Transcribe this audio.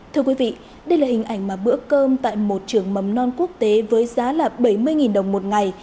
thưa quý vị đây là hình ảnh mà bữa cơm tại một trường mầm non quốc tế với giá là bảy mươi đồng một ngày